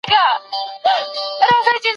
زه د شفتالو په خوړلو بوخت یم.